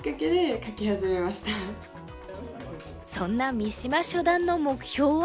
そんな三島初段の目標は？